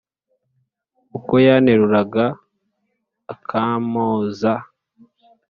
uko yanteruraga akampoza